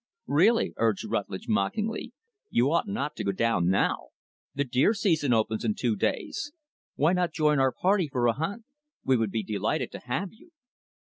"Really," urged Rutlidge, mockingly, "you ought not to go down now. The deer season opens in two days. Why not join our party for a hunt? We would be delighted to have you."